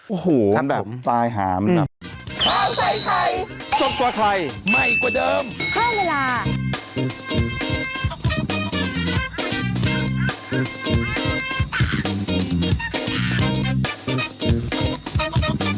โอ้โฮผมครับตายหามครับอืม